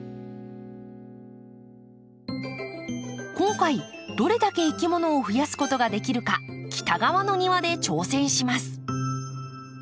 今回どれだけいきものを増やすことができるか北側の庭で挑戦します。